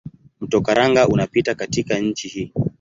Mto Karanga unapita katika nchi hii.